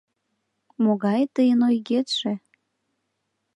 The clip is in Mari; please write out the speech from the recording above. Могае тыйын ойгетше?